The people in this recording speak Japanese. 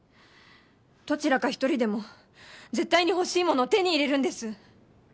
どちらか１人でも絶対に欲しいものを手に入れるんです。